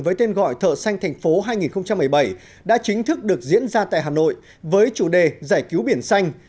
với tên gọi thợ xanh thành phố hai nghìn một mươi bảy đã chính thức được diễn ra tại hà nội với chủ đề giải cứu biển xanh